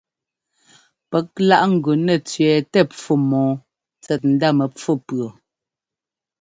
Pɛ́k láꞌ ŋ́gʉ nɛ́ tsẅɛ́ɛtɛ pfú mɔ́ɔ tsɛt ndá mɛpfú pʉɔ.